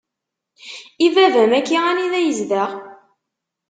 I baba-m-aki anida yezdeɣ?